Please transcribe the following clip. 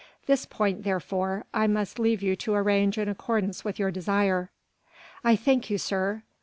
This point, therefore, I must leave you to arrange in accordance with your desire." "I thank you, sir."